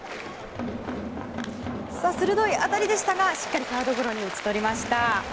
鋭い当たりでしたがしっかりサードゴロに打ち取りました。